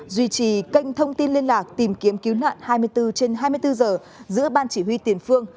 duy trì kênh thông tin liên lạc tìm kiếm cứu nạn hai mươi bốn trên hai mươi bốn giờ giữa ban chỉ huy tiền phương